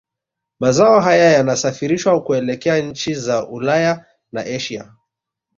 Mazao haya yanasafirishwa kuelekea nchi za Ulaya na Asia